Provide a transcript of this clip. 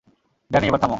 Danny, এবার থামো।